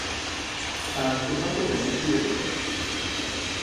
তার ফুফাতো বোন চুয়েটে পড়ে।